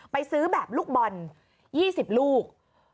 ซื้อแบบลูกบอล๒๐ลูก